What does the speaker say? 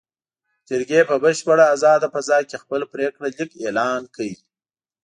جرګې په بشپړه ازاده فضا کې خپل پرېکړه لیک اعلان کړ.